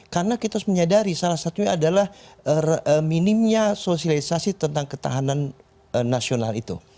karena kita harus menyadari salah satunya adalah minimnya sosialisasi tentang ketahanan nasional itu